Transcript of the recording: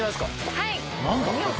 はい。